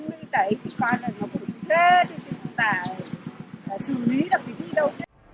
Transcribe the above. người ta ấy thì coi là nó cũng thế thì chúng ta xử lý là cái gì đâu